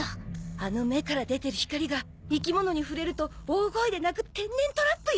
あの目から出てる光が生き物に触れると大声で鳴く天然トラップよ。